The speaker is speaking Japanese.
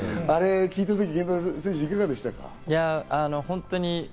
あれ聞いた時、源田選手いかがでしたか？